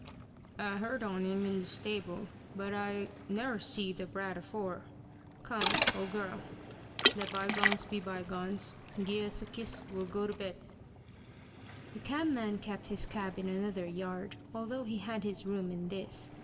"I ha' heerd on him in the stable, but I never see the brat afore. Come, old girl, let bygones be bygones, and gie us a kiss, and we'll go to bed." The cabman kept his cab in another yard, although he had his room in this.